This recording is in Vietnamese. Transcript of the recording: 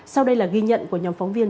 sau đây là ghi nhận của nhóm phóng viên